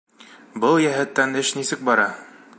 Был йәһәттән эш нисек бара?